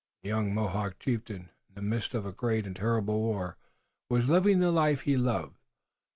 The young Mohawk chieftain, in the midst of a great and terrible war, was living the life he loved.